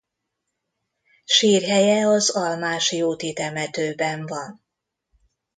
Sírhelye az Almási úti temetőben van.